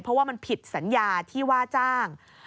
เพราะว่ามันผิดสัญญาที่ว่าจ้าง